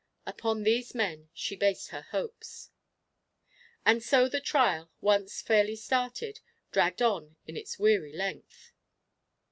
Upon these men she based her hopes. And so the trial, once fairly started, dragged on its weary length.